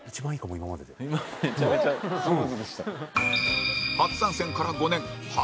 めちゃめちゃスムーズでした。